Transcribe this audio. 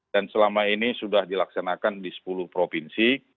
dan selama ini sudah dilaksanakan di sepuluh provinsi